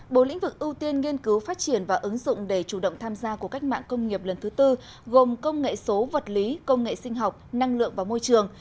bộ lĩnh vực ưu tiên nghiên cứu phát triển và ứng dụng để chủ động tham gia của cách mạng công nghiệp lần thứ tư gồm công nghệ số vật lý công nghệ sinh học năng lượng và môi trường